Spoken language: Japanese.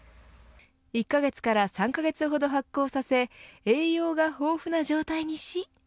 １カ月から３カ月ほど発酵させ栄養が豊富な状態にし。